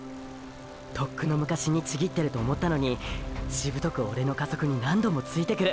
とっくの昔にちぎってると思ったのにしぶとくオレの加速に何度もついてくる！！